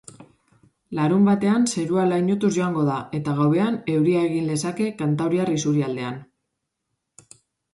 Larunbatean, zerua lainotuz joango da eta gauean euria egin lezake kantauriar isurialdean.